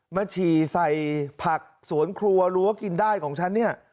ฉี่ใส่ผักสวนครัวรั้วกินได้ของฉันเนี่ย